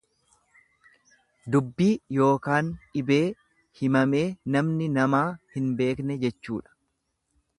Dubbii yookaan dhibee himamee namni namaa hin beekne jechuudha.